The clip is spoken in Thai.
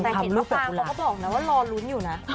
แต่เห็นว่าปางก็บอกนะว่ารอลุ้นอยู่นะ